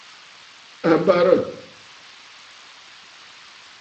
A barə̂!